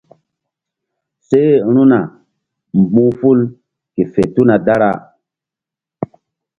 Seru̧na mbu̧h ful ke fe tuna dara.